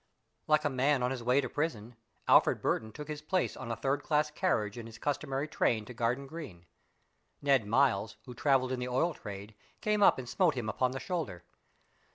Like a man on his way to prison, Alfred Burton took his place in a third class carriage in his customary train to Garden Green. Ned Miles, who travelled in the oil trade, came up and smote him upon the shoulder.